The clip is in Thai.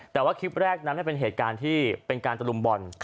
แต่ว่าคลิปแรกนั้นเป็นเหตุการณ์ที่เป็นการตะลุมบอล